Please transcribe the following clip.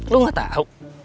lu gak tau